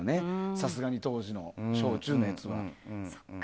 さすがに当時の小中のやつは。